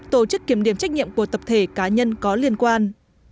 tổ chức kiểm điểm trách nhiệm của tập thể cá nhân có liên quan